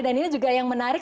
dan ini juga yang menarik